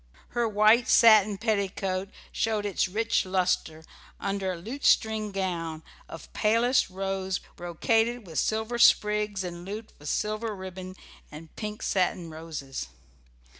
Her white satin petticoat showed its rich lustre under a lutestring gown of palest rose brocaded with silver sprigs and looped with silver ribbon and pink satin roses.